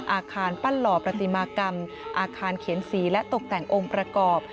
อาคารปั้นหล่อประติมากรรมอาคารเขียนสีและตกแต่งองค์ประกอบ